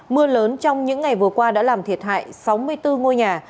mưa lớn trong những ngày vừa qua đã làm thiệt hại sáu mươi bốn ngôi nhà